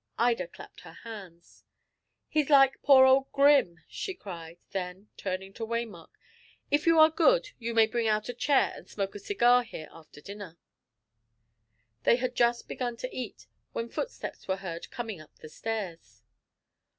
Ida clapped her hands. "He's like poor old Grim," she cried. Then, turning to Waymark: "If you are good, you may bring out a chair and smoke a cigar here after dinner." They had just began to eat, when footsteps were heard coming up the stairs.